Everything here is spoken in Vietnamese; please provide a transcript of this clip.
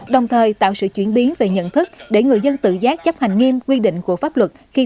đồng thời tạo sự chuyển biến về nhận thức để người dân tự giác chấp hành nghiêm quy định của pháp luật